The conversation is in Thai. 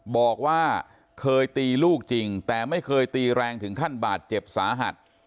บอกว่าเคยตีลูกจริงแต่ไม่เคยตีแรงถึงขั้นบาดเจ็บสาหัส